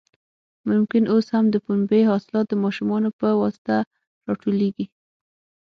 ممکن اوس هم د پنبې حاصلات د ماشومانو په واسطه راټولېږي.